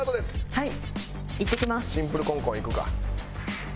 はい。